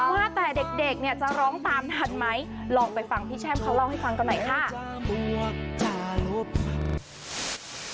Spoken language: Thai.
ว่าแต่เด็กเนี่ยจะร้องตามทันไหมลองไปฟังพี่แช่มเขาเล่าให้ฟังกันหน่อยค่ะ